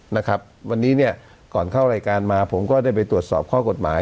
นะครับวันนี้เนี่ยก่อนเข้ารายการมาผมก็ได้ไปตรวจสอบข้อกฎหมาย